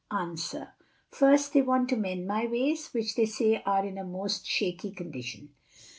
A. First, they want to amend my ways, which they say are in a most shaky condition.